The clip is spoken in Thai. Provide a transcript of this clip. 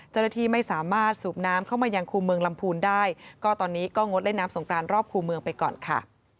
เจ้าหน้าที่ไม่สามารถสูบน้ำเข้ามายังคู่เมืองลำพูนได้ก็ตอนนี้ก็งดเล่นน้ำสงกรานรอบคู่เมืองไปก่อนค่ะ